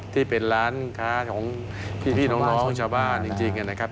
ที่เป็นร้านค้าของพี่น้องชาวบ้านจริงนะครับ